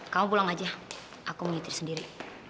kamu pulang aja aku ngitir sendiri